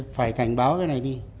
phải cảnh báo cái này đi